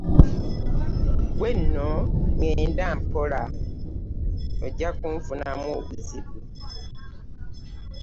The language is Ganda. Ggwe nno ŋŋenda mpola ojja kunfunamu obuzibu.